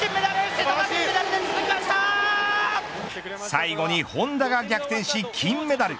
最後に本多が逆転し金メダル。